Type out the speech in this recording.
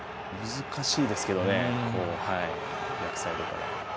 難しいですけどね、逆サイドから。